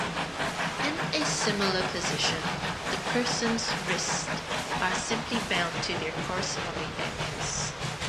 In a similar position, the person's wrists are simply bound to their corresponding ankles.